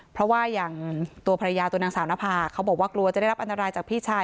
เพราะว่าอย่างตัวภรรยาตัวนางสาวนภาเขาบอกว่ากลัวจะได้รับอันตรายจากพี่ชาย